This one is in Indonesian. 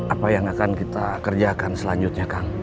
apa yang akan kita kerjakan selanjutnya kang